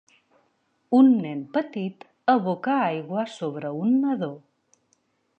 Un nen petit aboca aigua sobre un nadó.